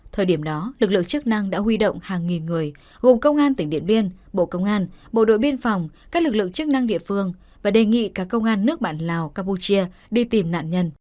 thời điểm đó lực lượng chức năng đã huy động hàng nghìn người gồm công an tỉnh điện biên bộ công an bộ đội biên phòng các lực lượng chức năng địa phương và đề nghị cả công an nước bạn lào campuchia đi tìm nạn nhân